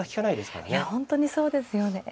いや本当にそうですよね。